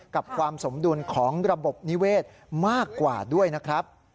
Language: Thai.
กับความสมดุลของระบบนิเวศมากกว่าด้วยนะครับ